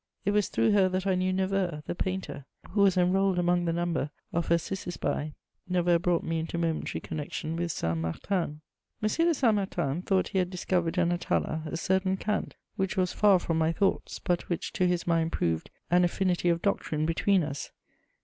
It was through her that I knew Neveu, the painter, who was enrolled among the number of her cicisbei: Neveu brought me into momentary connection with Saint Martin. M. de Saint Martin thought he had discovered in Atala a certain cant which was far from my thoughts, but which to his mind proved an affinity of doctrine between us.